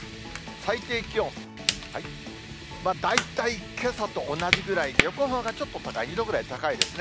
最低気温、大体けさと同じぐらいで、横浜がちょっと高い、２度ぐらい高いですね。